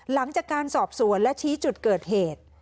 หลังจากการสอบสวนและชี้จุดเกิดเหตุ